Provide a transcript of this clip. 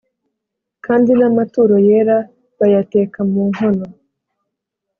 Kandi n amaturo yera bayateka mu nkono